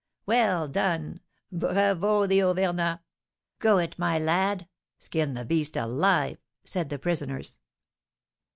"Well done! Bravo the Auvergnat! Go it, my lad! Skin the beast alive!" said the prisoners.